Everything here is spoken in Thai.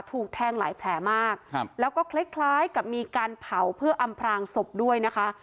ถูกแทงหลายแผลมากครับแล้วก็คล้ายคล้ายกับมีการเผาเพื่ออำพรางศพด้วยนะคะ